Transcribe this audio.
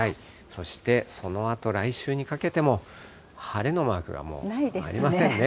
そしてそのあと来週にかけても晴れのマークがもうありませんね。